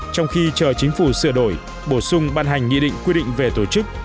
trong khi chờ chính phủ sửa đổi bổ sung ban hành nghị định quy định về tổ chức